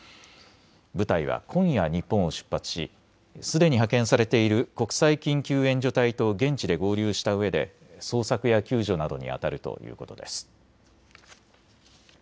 部隊は今夜、日本を出発しすでに派遣されている国際緊急援助隊と現地で合流したうえで捜索や救助などにあたるということです。